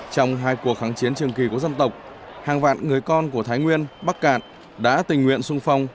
trong hai cuộc kháng chiến trường kỳ của dân tộc hàng vạn người con của thái nguyên bắc cạn đã tình nguyện sung phong